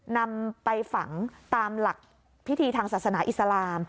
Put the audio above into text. นำไปฝังตามหลักพิธีทางศาสนาอิสลาม